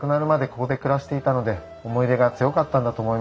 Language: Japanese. ここで暮らしていたので思い入れが強かったんだと思いますよ。